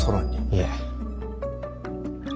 いえ。